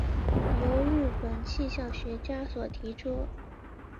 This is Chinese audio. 由日本气象学家所提出。